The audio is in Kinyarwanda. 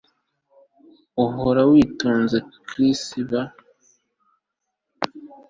Uhora witochrisba